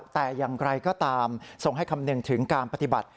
แต่อย่างไรก็ตามส่งให้คำนึงถึงการปฏิบัติ